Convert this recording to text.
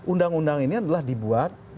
undang undang ini adalah dibuat